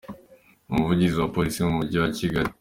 Umuvugizi wa Polisi mu Mujyi wa Kigali,